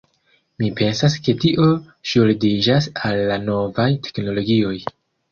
Mi pensas ke tio ŝuldiĝas al la novaj teknologioj.